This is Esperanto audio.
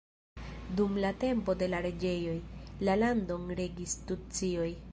Dum la tempo de la reĝoj, la landon regis tucioj.